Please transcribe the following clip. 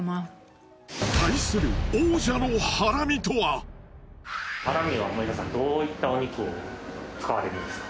対するハラミは森田さんどういったお肉を使われるんですか？